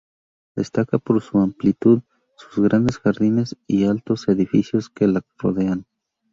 Destaca por su amplitud, sus grandes jardines y los altos edificios que la rodean.